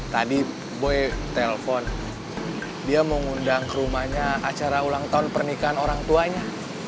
tadi boy telepon dia mau ngundang ke rumahnya acara ulang tahun pernikahan orangtuanya